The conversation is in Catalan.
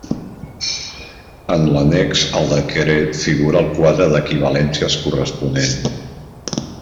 En l'annex al decret figura el quadre d'equivalències corresponent.